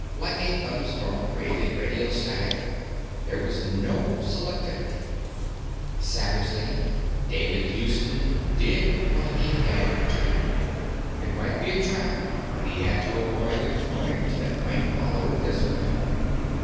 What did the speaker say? Like a thunderstorm creating radio static, there was no selectivity. Savagely, David Houston did what he had to do. It might be a trap, but he had to avoid the carnage that might follow if this went on.